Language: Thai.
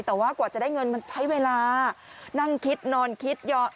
แต่ว่ากว่าจะได้เงินมันใช้เวลานั่งคิดนอนคิดเยอะ